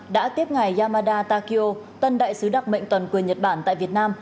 đã tiếp ngày yamada takio tân đại sứ đặc mệnh toàn quyền nhật bản tại việt nam